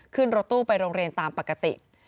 ขึ้นรถตู้ไปโรงเรียนตามปกติ